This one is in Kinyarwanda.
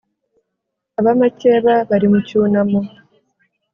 ab'amakeba bari mu cyunamo